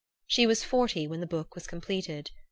She was forty when the book was completed.